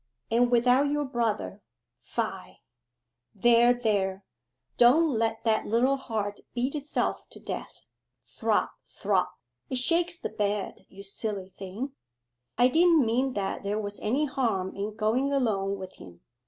'And without your brother fie! There, there, don't let that little heart beat itself to death: throb, throb: it shakes the bed, you silly thing. I didn't mean that there was any harm in going alone with him.